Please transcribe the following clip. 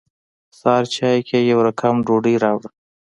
سهار چای کې یې يو رقم ډوډۍ راوړه.